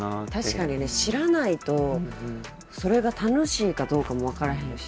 確かにね知らないとそれが楽しいかどうかも分からへんし。